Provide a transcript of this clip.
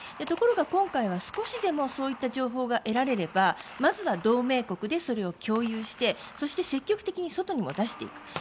ところが今回は少しでもそういった情報が得られればまずは同盟国でそれを共有してそして積極的に外にも出していく。